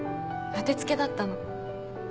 当て付けだったの。